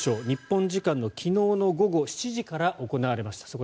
日本時間の昨日午後７時から行われました。